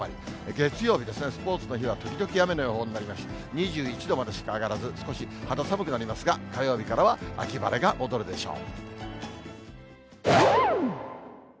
月曜日ですね、スポーツの日は、時々雨の予報になりまして、２１度までしか上がらず、少し肌寒くなりますが、火曜日からは秋晴れが戻るでしょう。